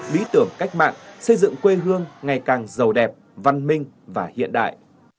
lý tưởng cách mạng xây dựng quê hương ngày càng giàu đẹp văn minh và hiện đại